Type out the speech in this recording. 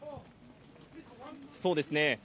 そうですね。